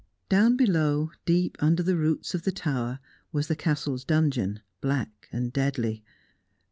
Down below, deep under the roots of the tower, was the Castle's dungeon, black and deadly.